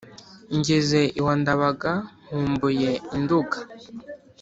ngeze iwa ndabaga nkumbuye i nduga